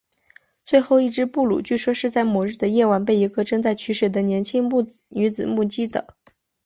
最后一只布鲁据说是在某日的夜晚被一个正在取水的年轻女子目击的。